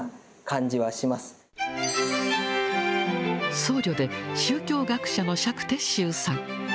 僧侶で宗教学者の釈徹宗さん。